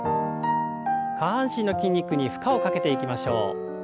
下半身の筋肉に負荷をかけていきましょう。